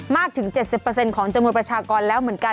มากถึง๗๐เปอร์เซ็นต์ของจมูลประชากรแล้วเหมือนกัน